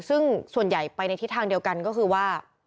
ซึ่งส่วนใหญ่ไปในทิศทางเดียวกันก็คือว่า